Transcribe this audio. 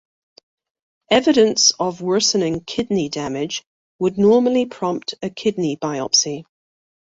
Evidence of worsening kidney damage would normally prompt a kidney biopsy.